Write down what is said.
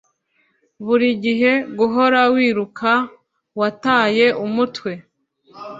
Buri gihe guhora wiruka wataye umutwe